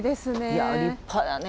いや立派やね